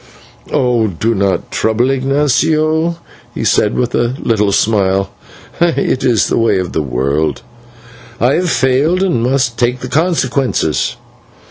"Do not trouble, Ignatio," he said, with a little smile, "it is the way of the world. I have failed, and must take the consequences.